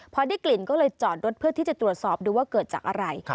พอได้กลิ่นก็เลยจอดรถเพื่อที่จะตรวจสอบดูว่าเกิดจากอะไร